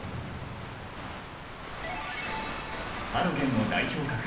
ハロゲンの代表格